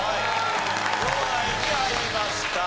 両ナインに入りました。